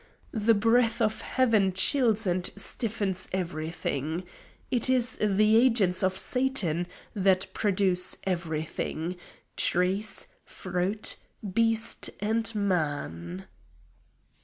The breath of Heaven chills and stiffens everything. It is the agents of Satan that produce everything trees, fruit, beast and man."